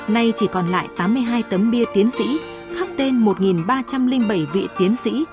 nay chỉ còn lại tám mươi hai tấm bia tiến sĩ khắc tên một ba trăm linh bảy vị tiến sĩ